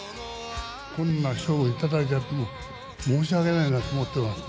こんな賞を頂いちゃって、申し訳ないなと思ってます。